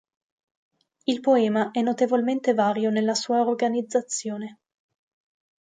Il poema è notevolmente vario nella sua organizzazione.